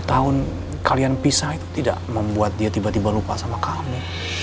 tujuh tahun kalian pisah itu tidak membuat dia tiba tiba lupa sama kamu